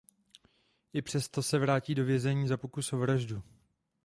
I přes to se vrátí do vězení za pokus o vraždu.